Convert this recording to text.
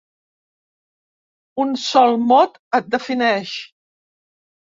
Un sol mot et defineix.